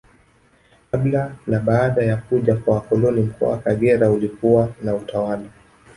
Kabla na baada ya kuja kwa wakoloni Mkoa wa Kagera ulikuwa na utawala